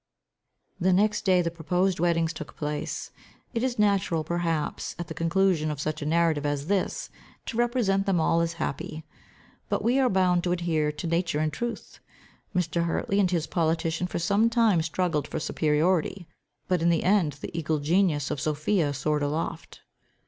The next day the proposed weddings took place. It is natural perhaps, at the conclusion of such a narrative as this, to represent them all as happy. But we are bound to adhere to nature and truth. Mr. Hartley and his politician for some time struggled for superiority, but, in the end, the eagle genius of Sophia soared aloft.